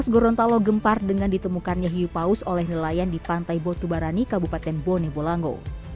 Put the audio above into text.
dua ribu enam belas gorontalo gempar dengan ditemukannya hiupaus oleh nelayan di pantai botubarani kabupaten bonebolango